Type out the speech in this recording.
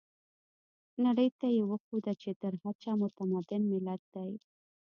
نړۍ ته يې وښوده چې تر هر چا متمدن ملت دی.